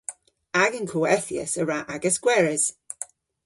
Agan kowethyas a wra agas gweres.